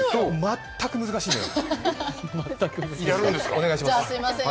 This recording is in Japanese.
全く難しいのよ。